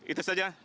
itu saja dari kami